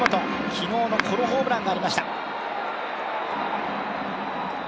昨日のこのホームランがありました。